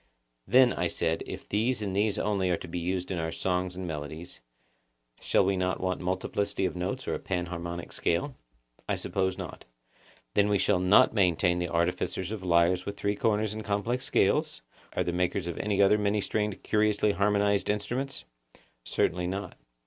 Then, I said, if these and these only are to be used in our songs and melodies, we shall not want multiplicity of notes or a panharmonic scale? I suppose not. Then we shall not maintain the artificers of lyres with three corners and complex scales, or the makers of any other many stringed curiously harmonised instruments? Certainly not.